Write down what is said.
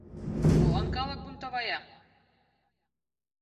Молан калык бунтовая?